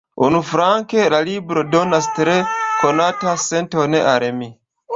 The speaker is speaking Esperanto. Unuflanke, la libro donas tre konatan senton al mi.